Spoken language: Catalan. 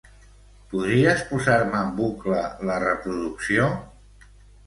Podries posar-me en bucle la reproducció?